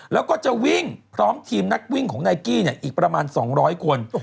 แล้วก็จะวิ่งพร้อมทีมนักวิ่งของนายกี้อีกประมาณ๒๐๐คน